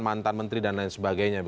mantan menteri dan lain sebagainya